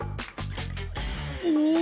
お！